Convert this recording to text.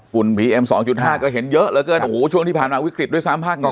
คุณพีเอ็ม๒๕ก็เห็นเยอะแล้วก็โหช่วงที่ผ่านมาวิกฤตด้วยสามภาคเหนือ